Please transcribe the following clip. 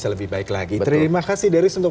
lebih baik lagi terima kasih deris untuk